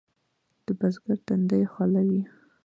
د بزګر تندی خوله وي.